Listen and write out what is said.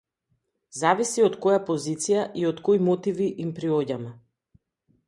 Зависи од која позиција и од кои мотиви им приоѓаме.